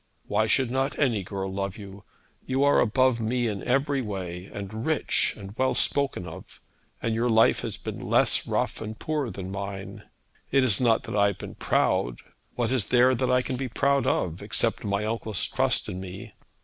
Why should not any girl love you? You are above me in every way, and rich, and well spoken of; and your life has been less rough and poor than mine. It is not that I have been proud. What is there that I can be proud of except my uncle's trust in me?